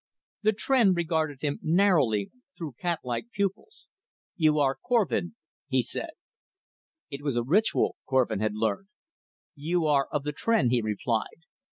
The Tr'en regarded him narrowly through catlike pupils. "You are Korvin," he said. It was a ritual, Korvin had learned. "You are of the Tr'en," he replied.